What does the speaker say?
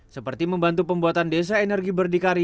seperti membantu pembuatan desa energi berdikari